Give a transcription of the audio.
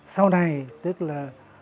sau này tức là